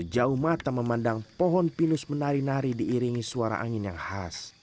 jauh mata memandang pohon pinus menari nari diiringi suara angin yang khas